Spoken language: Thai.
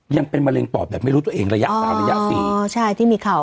ยังเป็นมะเร็งปอดแบบไม่รู้ตัวเองระยะประมาณระยะปี